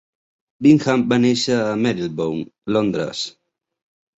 Bingham va néixer a Marylebone, Londres.